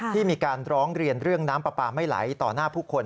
ที่มีการร้องเรียนเรื่องน้ำปลาปลาไม่ไหลต่อหน้าผู้คน